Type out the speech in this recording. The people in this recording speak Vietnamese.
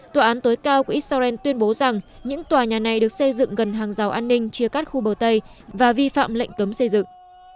tòa án tối cao của israel tuyên bố rằng những tòa nhà này được xây dựng gần hàng rào an ninh chia cắt khu bờ tây và vi phạm lệnh cấm xây dựng